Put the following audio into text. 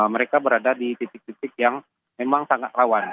mereka berada di titik titik yang memang sangat rawan